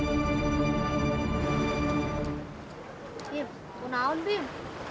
bim penyembah bim